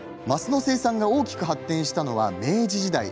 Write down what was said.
升の生産が大きく発展したのは明治時代。